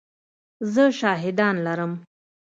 زه شاهدان لرم !